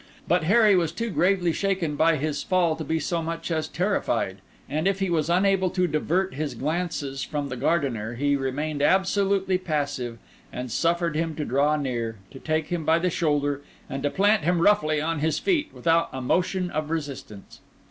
But Harry was too gravely shaken by his fall to be so much as terrified; and if he was unable to divert his glances from the gardener, he remained absolutely passive, and suffered him to draw near, to take him by the shoulder, and to plant him roughly on his feet, without a motion of resistance.